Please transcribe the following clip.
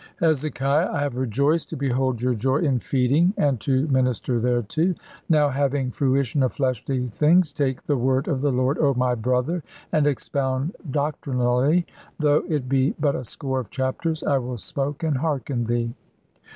"Hezekiah, I have rejoiced to behold your joy in feeding, and to minister thereto. Now, having fruition of fleshly things, take the word of the Lord, oh my brother, and expound doctrinally; though it be but a score of chapters. I will smoke, and hearken thee."